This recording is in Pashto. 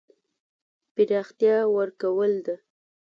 پراختیا ورکول ده.